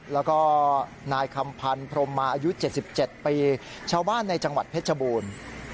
แล้วก็นายคำพันธ์พรมมาอายุ๗๗ปีชาวบ้านในจังหวัดเพชรบูรณ์